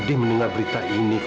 dan tinggalkan perempuan itu